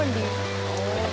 nggak ada mondi